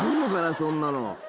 そんなの。